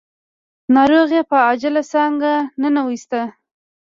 ناروغ يې په عاجله څانګه ننوېست.